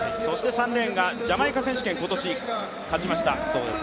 ３レーンがジャマイカ選手権今年勝ちました。